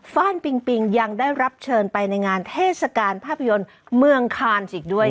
่านปิงปิงยังได้รับเชิญไปในงานเทศกาลภาพยนตร์เมืองคานอีกด้วย